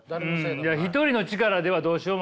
いや一人の力ではどうしようもない。